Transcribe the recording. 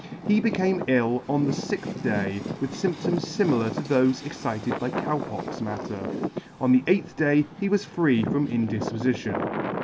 He became ill on the fixth day with fymptoms fimilar to thofe excited by Cow pox matter. On the eighth day he was free from indifpofition.